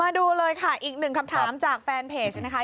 ดูเลยค่ะอีกหนึ่งคำถามจากแฟนเพจนะคะ